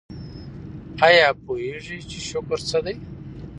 ایا پوهیږئ چې شکر څه دی؟